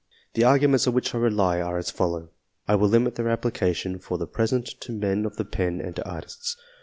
The arguments on which I rely are as follow. I will limit their application for the present to men of the pen and to artists.